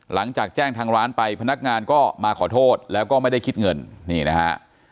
หลังจากแจ้งทางร้านไปพนักงานก็มาขอโทษแล้วก็ไม่ได้คิดเงินนี่นะฮะ